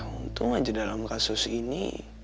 untung aja dalam kasus ini